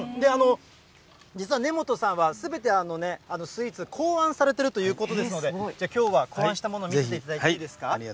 実は根本さんは、すべてスイーツ、考案されてるということですので、きょうは考案したもの見せていただいていいですか。